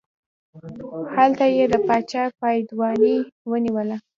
هلته یې د باچا پایدواني ونیوله.